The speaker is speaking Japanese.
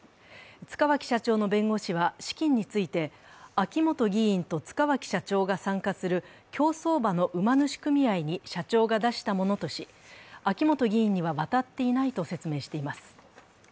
塚脇社長の弁護士は資金について、秋元議員と塚脇社長が参加する競走馬の馬主組合に社長が出したものとし秋本議員には渡っていないと説明しています。